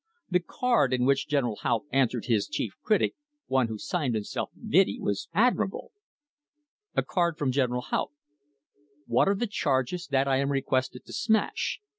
The "card" in which General Haupt answered his chief critic, one who signed himself "Vidi," was admirable: A CARD FROM GENERAL HAUPT What are the charges that I am requested to "smash"